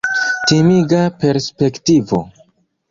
Timiga perspektivo!